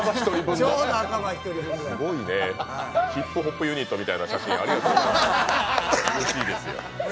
ヒップホップユニットみたいな写真ありがとうございました。